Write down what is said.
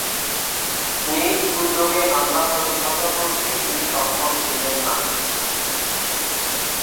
নিজ উদ্যোগে হামলা প্রতিহত করতে তিনি সক্ষম ছিলেন না।